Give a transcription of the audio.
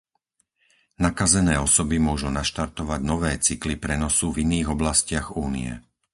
Nakazené osoby môžu naštartovať nové cykly prenosu v iných oblastiach Únie.